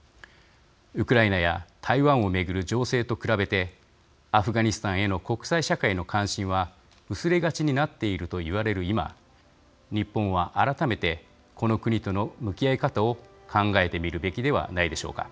ウクライナや台湾を巡る情勢と比べてアフガニスタンへの国際社会の関心は薄れがちになっているといわれる今日本は改めてこの国との向き合い方を考えてみるべきではないでしょうか。